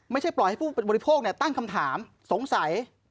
ไม่ใช่ปล่อยให้ผู้บริโภคตั้งคำถามสงสัย